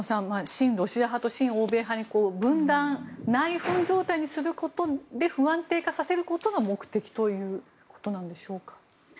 親ロシア派と親欧米派に分断、内紛状態にすることで不安定化させることが目的ということなんでしょうか。